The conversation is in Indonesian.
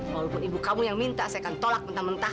walaupun ibu kamu yang minta saya akan tolak mentah mentah